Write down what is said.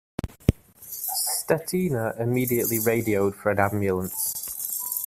Stetina immediately radioed for an ambulance.